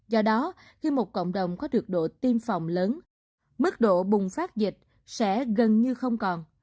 do đó khi một cộng đồng có được độ tiêm phòng lớn mức độ bùng phát dịch sẽ gần như không còn